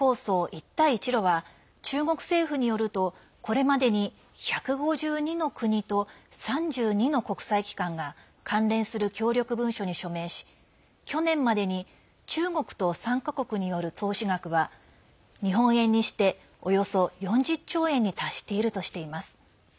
一帯一路は中国政府によるとこれまでに１５２の国と３２の国際機関が関連する協力文書に署名し去年までに中国と参加国による投資額は日本円にしておよそ４０兆円に達しているとしています。